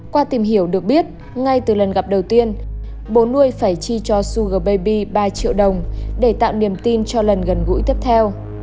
qua tìm hiểu được biết ngay từ lần gặp đầu tiên bố nuôi phải chi cho sug baby ba triệu đồng để tạo niềm tin cho lần gần gũi tiếp theo